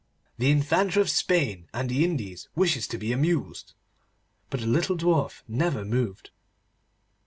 The Infanta of Spain and the Indies wishes to be amused.' But the little Dwarf never moved.